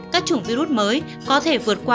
các chủng virus mới có thể vượt qua